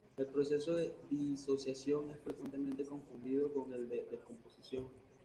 El proceso de disociación es frecuentemente confundido con el de descomposición.